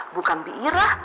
bukan bira bukan taksi